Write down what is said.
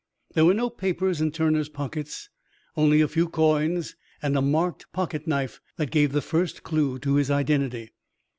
There were no papers in Turner's pockets; only a few coins, and a marked pocket knife that gave the first clue to his identity.